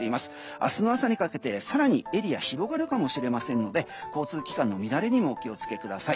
明日の朝にかけて更に、エリア広がるかもしれませんので交通機関の乱れにもお気を付けください。